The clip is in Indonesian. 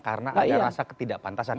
karena ada rasa ketidakpantasan